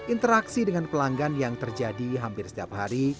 interaksi dengan pelanggan yang terjadi hampir setiap hari